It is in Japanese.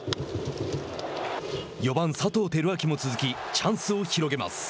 ４番、佐藤輝明も続きチャンスを広げます。